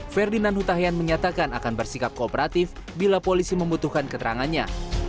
ferdinand hutahian menyatakan akan bersikap kooperatif bila polisi membutuhkan keterangannya